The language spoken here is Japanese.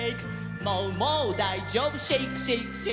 「もうもうだいじょうぶシェイクシェイクシェイクシェイク」